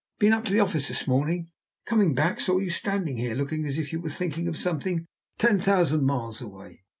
Been up to the office this morning, coming back saw you standing here looking as if you were thinking of something ten thousand miles away.